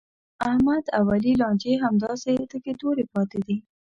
د احمد او علي لانجې همداسې تکې تورې پاتې دي.